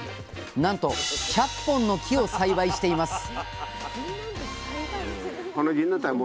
なんと１００本の木を栽培しています